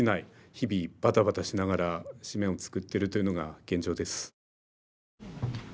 日々バタバタしながら紙面を作ってるというのが現状です。